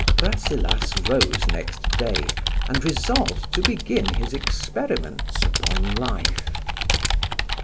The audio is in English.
RASSELAS rose next day, and resolved to begin his experiments upon life.